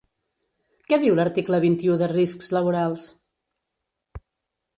Què diu l’article vint-i-u de riscs laborals?